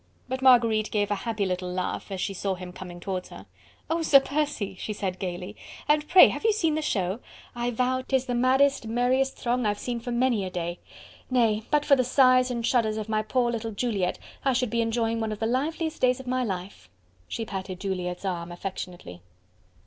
But Marguerite gave a happy little laugh when she saw him coming towards her. "Oh, Sir Percy!" she said gaily, "and pray have you seen the show? I vow 'tis the maddest, merriest throng I've seen for many a day. Nay! but for the sighs and shudders of my poor little Juliette, I should be enjoying one of the liveliest days of my life." She patted Juliette's arm affectionately.